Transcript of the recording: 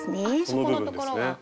そこのところが。